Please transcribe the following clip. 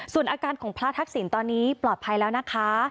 ส่วนอาการของพระทักษิณตอนนี้ปลอดภัยแล้วนะคะ